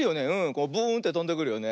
こうブーンってとんでくるよね。